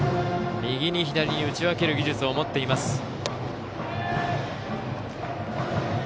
右に左に打ち分ける技術を持っています。